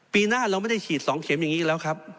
ปีหน้าเราไม่ได้ฉีด๒เข็มอย่างนี้อีกแล้วครับ